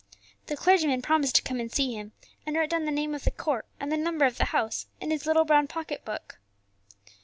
The clergyman promised to come and see him, and wrote down the name of the court and the number of the house in his little brown pocket book.